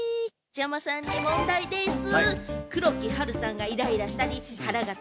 東山さんに問題です。